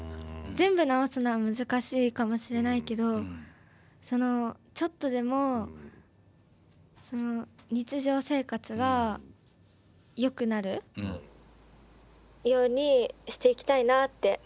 全部治すのは難しいかもしれないけどそのちょっとでもその日常生活がよくなるようにしていきたいなって思ってます。